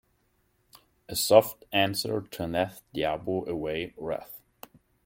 A soft answer turneth diabo away wrath.